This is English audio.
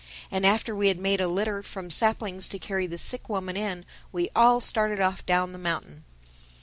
And after we had made a litter from saplings to carry the sick woman in, we all started off down the mountain.